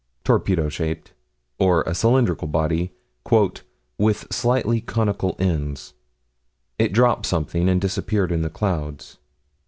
Torpedo shaped. Or a cylindrical body, "with slightly conical ends." It dropped something, and disappeared in the clouds.